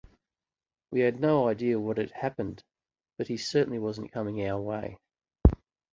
We had no idea what had happened, but he certainly wasn't coming our way.